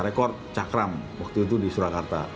saya rekod cakram waktu itu di surakarta